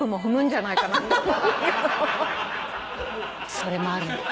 それもある。